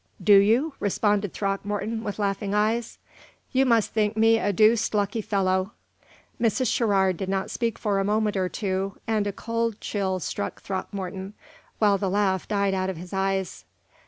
"Do you?" responded Throckmorton, with laughing eyes. "You must think me a deuced lucky fellow." Mrs. Sherrard did not speak for a moment or two, and a cold chill struck Throckmorton, while the laugh died out of his eyes.